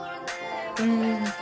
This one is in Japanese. うん。